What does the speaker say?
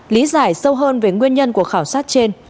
lý giải sâu hơn về nguyên nhân của khảo sát trên